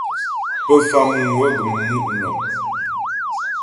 Pə Famŋwə gəm mu' nɔ̀m.